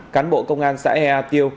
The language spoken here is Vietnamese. cán bộ công an xã ea tiêu